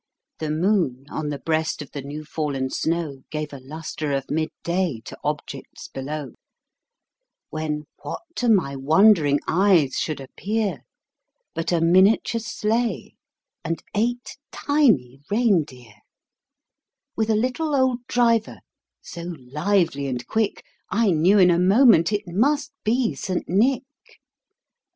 The moon, on the breast of the new fallen snow, Gave a lustre of mid day to objects below; When, what to my wondering eyes should appear, But a miniature sleigh, and eight tiny rein deer, With a little old driver, so lively and quick, I knew in a moment it must be St. Nick.